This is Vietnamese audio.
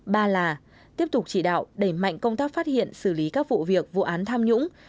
ba là tiếp tục chỉ đạo đẩy mạnh công tác phát hiện xử lý các vụ việc vụ án tham nhũng